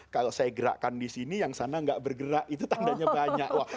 kalau saya gerakan disini yang sana nggak bergerak itu tanda nya banyak loh